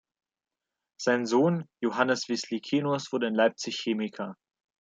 Sein Sohn Johannes Wislicenus wurde in Leipzig Chemiker.